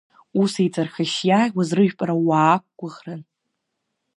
Ус еицырхашьшьы иаауаз рыжәпара уаақәгәыӷрын.